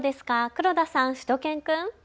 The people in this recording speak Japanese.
黒田さん、しゅと犬くん。